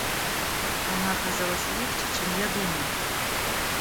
Она оказалась легче, чем я думал.